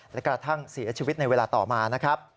และกระทั่งเสียชีวิตในเวลาต่อมานะครับ